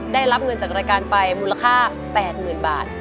ได้รับเงินจากรายการไปมูลค่า๘๐๐๐บาท